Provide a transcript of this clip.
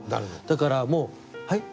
だからもうはい？